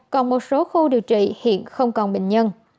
còn một số khu điều trị hiện không còn bệnh nhân